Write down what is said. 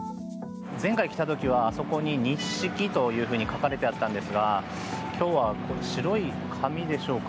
前回来た時は、あそこに「日式」というふうに書かれていたんですが今日は、白い紙でしょうか。